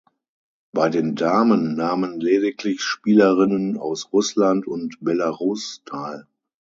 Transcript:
Bei den Damen nahmen lediglich Spielerinnen aus Russland und Belarus teil.